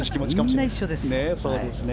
みんな一緒です。